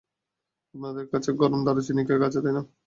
আপনাদের কাছে গরম দারুচিনি কেক আছে, তাই না।